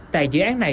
tại dự án này